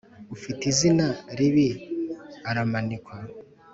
ufite izina ribi aramanikwa.